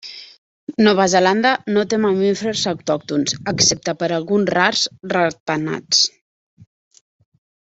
Nova Zelanda no té mamífers autòctons, excepte per alguns rars ratpenats.